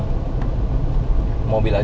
mobil aja gak bisa kepake disana